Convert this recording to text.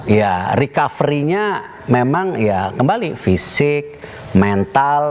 ya recovery nya memang ya kembali fisik mental